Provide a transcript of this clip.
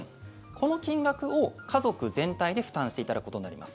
この金額を家族全体で負担していただくことになります。